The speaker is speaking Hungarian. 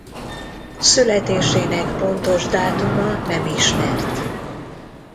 Születésének pontos dátuma nem ismert.